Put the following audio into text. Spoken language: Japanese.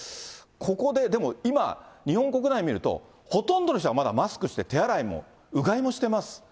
ここで、でも今、日本国内見ると、ほとんどの人がまだマスクしてて手洗いもうがいもしてます。